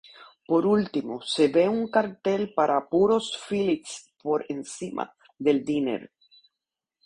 Por último, se ve un cartel para puros Phillies por encima del diner.